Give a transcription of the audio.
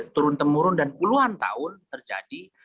turun temurun dan puluhan tahun terjadi